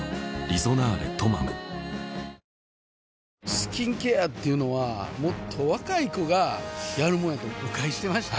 スキンケアっていうのはもっと若い子がやるもんやと誤解してました